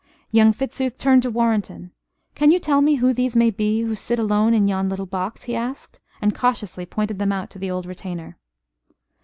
Young Fitzooth turned to Warrenton: "Can you tell me who these may be who sit alone in yon little box?" he asked, and cautiously pointed them out to the old retainer.